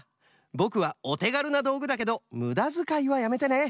ぼくはおてがるなどうぐだけどむだづかいはやめてね！